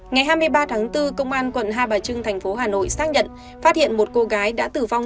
ngày hai mươi ba tháng bốn công an quận hai bà trưng thành phố hà nội xác nhận phát hiện một cô gái đã tử vong